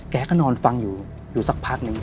แกก็นอนฟังอยู่อยู่สักพักหนึ่ง